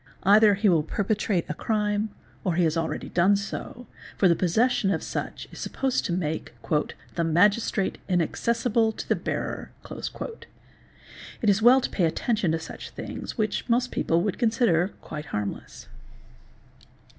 Hither he will perpetrate a crime or he has already done so, for the possession of such is supposed to make 'the Magistrate inaccessible | to the bearer." It is well to pay attention to such things which most people would consider quite harmless.